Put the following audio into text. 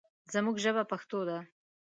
زموږ ژبه پښتو ده.